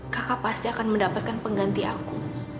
kakak pasti akan mendapatkan pengganti aku